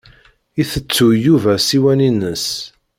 Itettuy Yuba ssiwan-ines.